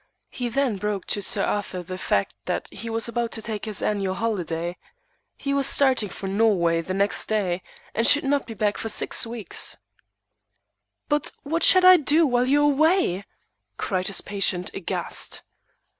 He then broke to Sir Arthur the fact that he was about to take his annual holiday. He was starting for Norway the next day, and should not be back for six weeks. "But what shall I do while you are away?" cried his patient, aghast.